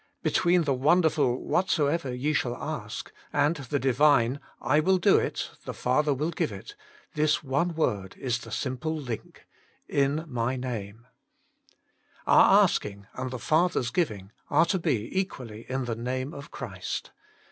Between the wonderful whatsoever ye shall ask, and the Divine / 129 130 THE MINISTRY OF INTERCESSION will do it, the Father will give it, this one word is the simple link : In My Name. Our asking and the Father s giving are to be equally in the Name of Christ.